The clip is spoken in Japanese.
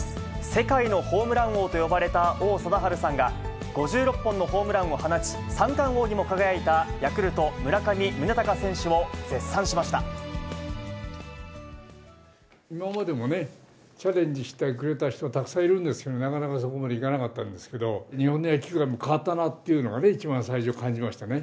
世界のホームラン王と呼ばれた王貞治さんが、５６本のホームランを放ち、三冠王にも輝いたヤクルト、今までもね、チャレンジしてくれた人、たくさんいるんですけど、なかなかそこまでいかなかったんですけど、日本の野球界も変わったなというのを一番最初、感じましたね。